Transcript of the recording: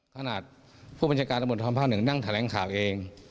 ขนาดผู้บัญชาการตำรวจทรภาคหนึ่งนั่งแถลงข่าวเอง